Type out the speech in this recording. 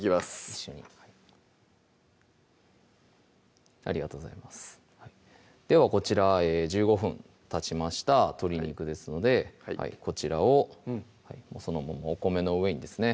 一緒にありがとうございますではこちら１５分たちました鶏肉ですのでこちらをそのままお米の上にですね